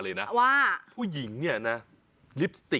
สุดยอดน้ำมันเครื่องจากญี่ปุ่น